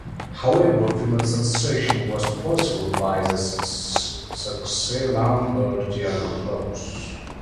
However, female succession was possible by the Saxe-Lauenburgian laws.